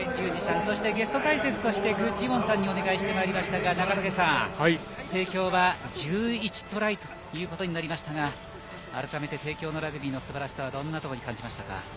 そして、ゲスト解説として具智元さんにお願いしてまいりましたが中竹さん、帝京は１１トライとなりましたが改めて帝京のラグビーのすばしらさをどんなところに感じましたか？